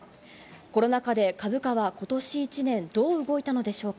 コロナ禍で株価は今年１年、どう動いたのでしょうか。